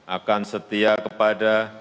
akan setia kepada